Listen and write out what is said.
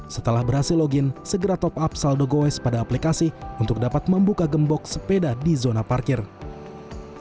setelah berhasil login segera top up saldo goes pada aplikasi untuk dapat membuka gembok sepeda di zona parkir